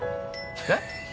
えっ？